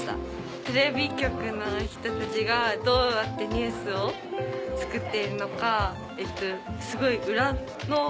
テレビ局の人たちがどうやってニュースを作っているのかすごい裏の。